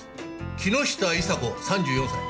木下伊沙子３４歳。